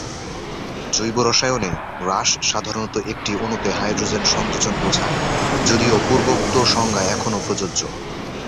জৈব রসায়নে, হ্রাস সাধারণত একটি অণুতে হাইড্রোজেন সংযোজন বোঝায়, যদিও পূর্বোক্ত সংজ্ঞা এখনও প্রযোজ্য।